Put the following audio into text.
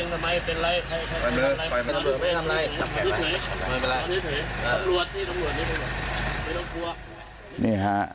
สมได้ได้สูตรใกล้สี